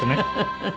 フフフフ。